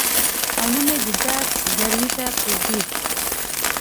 او نه مې د درد ځګروي ته پرېږدي.